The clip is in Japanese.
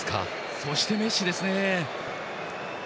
そしてメッシですね。